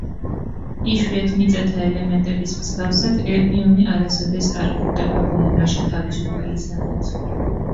იშვიათ მიწათა ელემენტების მსგავსად, ერბიუმი არასოდეს არ გვხვდება ბუნებაში თავისუფალი სახით.